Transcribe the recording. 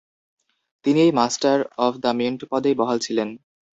তিনি এই master of the mint পদেই বহাল ছিলেন।